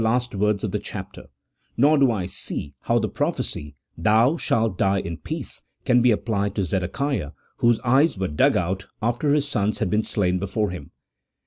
last words of the chapter, nor do I see how the prophecy, "thou shalt die in peace," can be applied to Zedekiah, whose eyes were dug out after his sons had been slain before him.